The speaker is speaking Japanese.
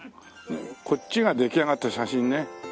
こっちが出来上がった写真ね。